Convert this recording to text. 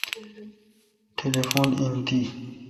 ٹلیفون این تی ۔